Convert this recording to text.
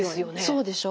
そうでしょう。